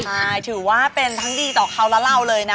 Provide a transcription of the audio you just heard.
ใช่ถือว่าเป็นทั้งดีต่อเขาและเราเลยนะ